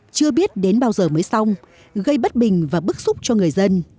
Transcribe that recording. chưa biết đến bao giờ mới xong gây bất bình và bức xúc cho người dân